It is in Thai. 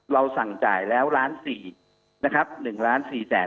เราสั่งจ่ายแล้วล้าน๔นะครับ๑ล้าน๔แสน